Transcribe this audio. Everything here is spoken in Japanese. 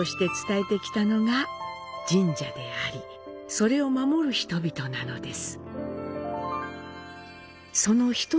それを守る人々なのです。